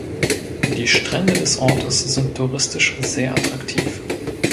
Die Strände des Ortes sind touristisch sehr attraktiv.